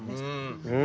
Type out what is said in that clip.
うん。